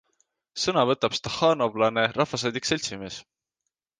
Sõna võtab stahhaanovlane rahvasaadik sm.